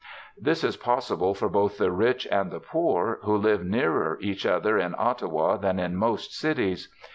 This is possible for both the rich and the poor, who live nearer each other in Ottawa than in most cities.